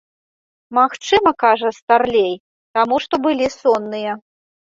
Магчыма, кажа старлей, таму што былі сонныя.